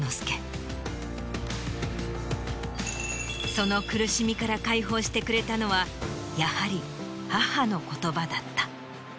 その苦しみから解放してくれたのはやはり母の言葉だった。